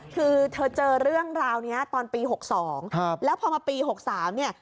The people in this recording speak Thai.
คือเธอเจอเรื่องราวนี้ตอนปี๖๒แล้วพอมาปี๖๓เนี่ย